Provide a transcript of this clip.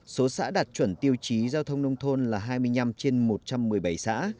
số xã đạt chuẩn tiêu chí giao thông nông thôn là hai mươi năm trên một trăm một mươi bảy xã